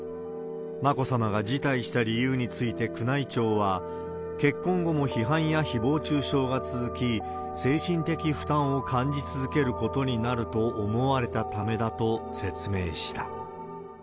眞子さまが辞退した理由について宮内庁は、結婚後も批判やひぼう中傷が続き、精神的負担を感じ続けることになると思われたためだと説明した。